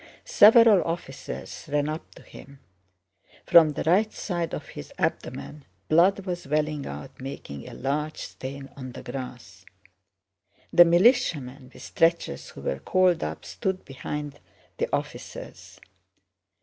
Several officers ran up to him. From the right side of his abdomen, blood was welling out making a large stain on the grass. The militiamen with stretchers who were called up stood behind the officers.